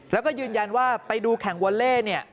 แล้าก็ยืนยันว่าไปดูแข่งไวเละ